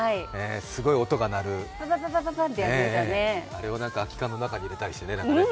すごい音が鳴る、あれを空き缶に中に入れたりしてね。